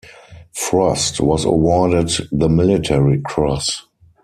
Frost was awarded the Military Cross.